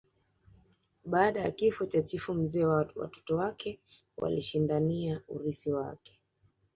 Baada ya kifo cha chifu mzee watoto wake walishindania urithi wake